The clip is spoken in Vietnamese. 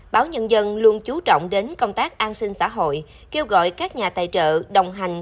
báo nhân dân luôn chú trọng đến công tác an sinh xã hội kêu gọi các nhà tài trợ đồng hành